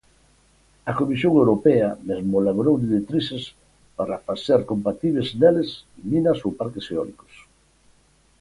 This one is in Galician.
A Comisión europea mesmo elaborou directrices para facer compatíbeis neles minas ou parques eólicos!